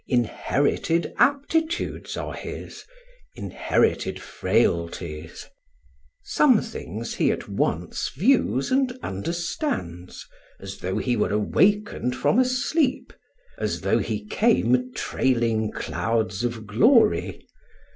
Inherited aptitudes are his, inherited frailties. Some things he at once views and understands, as though he were awakened from a sleep, as though he came "trailing clouds of glory."